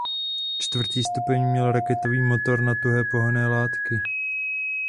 Čtvrtý stupeň měl raketový motor na tuhé pohonné látky.